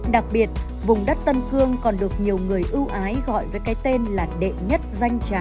đặc biệt vùng đất tân cương còn được nhiều người ưu ái gọi với cái tên là đệ nhất danh trà